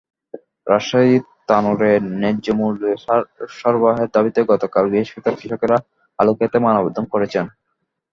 রাজশাহীর তানোরে ন্যায্যমূল্যে সার সরবরাহের দাবিতে গতকাল বৃহস্পতিবার কৃষকেরা আলুখেতে মানববন্ধন করেছেন।